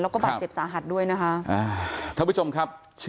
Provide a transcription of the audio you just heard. และบาดเจ็บสาหัสด้วยนะคะ